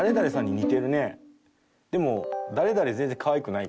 でも。